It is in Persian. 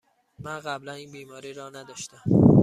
من قبلاً این بیماری را نداشتم.